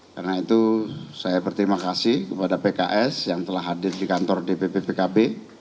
karena itu saya berterima kasih kepada pks yang telah hadir di kantor dpp pkb